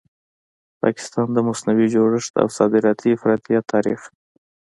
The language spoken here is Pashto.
پاکستان؛ د مصنوعي جوړښت او صادراتي افراطیت تاریخ